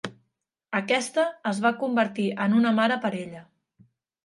Aquesta es va convertir en una mare per ella.